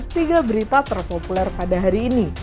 tiga berita terpopuler pada hari ini